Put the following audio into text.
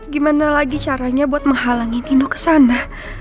gimana lagi caranya buat menghalangi nino ke sana